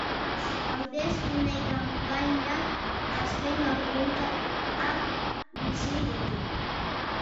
Hauteskunde kanpainak azken orduak bizi ditu.